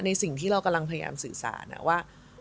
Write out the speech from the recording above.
สิ่งที่เรากำลังพยายามสื่อสารว่า